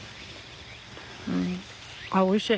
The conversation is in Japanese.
あっおいしい。